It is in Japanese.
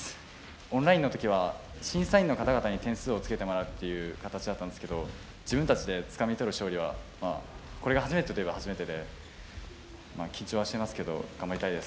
オンラインのときは審査員の方々に点数をつけてもらうっていう形だったんですけど自分たちでつかみ取る勝利はこれが初めてといえば初めてでまあ緊張はしてますけど頑張りたいです